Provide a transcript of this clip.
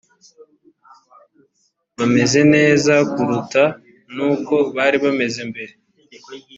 bameze neza kuruta n uko bari bameze mbere